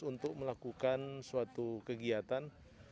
untuk melakukan suatu kegiatan